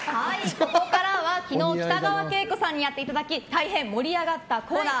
ここからは昨日北川景子さんにやっていただき大変盛り上がったコーナー。